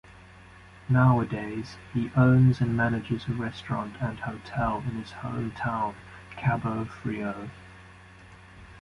Nowadays he owns and manages a restaurant and hotel in his hometown Cabo Frio.